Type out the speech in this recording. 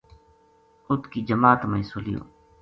اُت کی جماعت ما حِصو لیو